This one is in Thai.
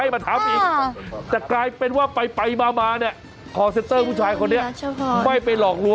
ไม่รู้สิอ้าว